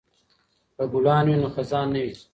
که ګلان وي نو خزان نه وي.